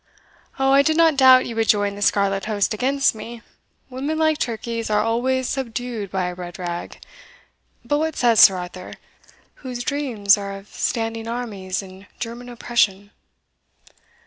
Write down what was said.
"O, I did not doubt you would join the scarlet host against me women, like turkeys, are always subdued by a red rag But what says Sir Arthur, whose dreams are of standing armies and German oppression?"